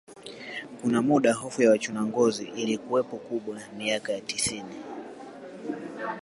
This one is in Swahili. Kuna muda hofu ya wachuna ngozi ilikuwapo kubwa miaka ya tisini